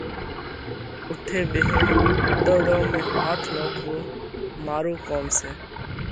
اُوٺي ٻيهينَ ۮرڙون ۾ هاٿ نوکوَو، مارو ڪوم سئہ۔